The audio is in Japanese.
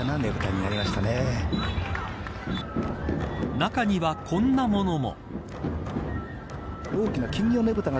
中にはこんなものも。